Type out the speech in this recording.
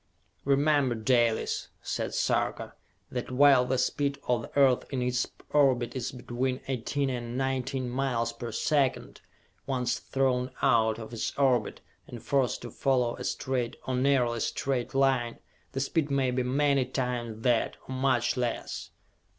"Remember, Dalis," said Sarka, "that while the speed of the Earth in its orbit is between eighteen and nineteen miles per second, once thrown out of its orbit, and forced to follow a straight or nearly straight line, the speed may be many times that or much less!"